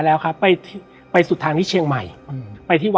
และวันนี้แขกรับเชิญที่จะมาเชิญที่เรา